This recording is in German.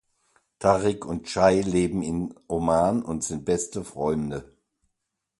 Tariq und Cai leben im Oman und sind beste Freunde.